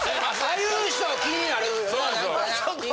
ああいう人は気になるよな何かな。